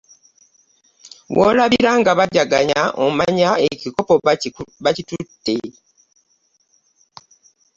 W'olabira nga bajaganya omanya ekikopo bakitutte.